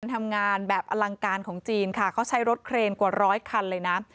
ทำงานแบบอลังการของจีนค่ะเขาใช้รถเครนกว่าร้อยคันเลยนะ